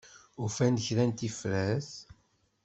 Ufan-d kra n tifrat?